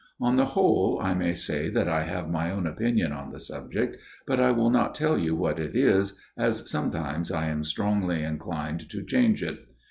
On the whole I may say that I have my own opinion on the subject, but I will not tell you what it is, as sometimes I am strongly inclined to change it.